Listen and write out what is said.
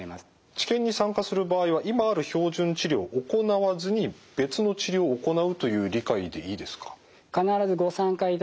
治験に参加する場合は今ある標準治療を行わずに別の治療を行うという理解でいいですか？